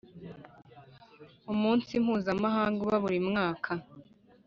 Umunsi mpuzamahanga uba burimwaka.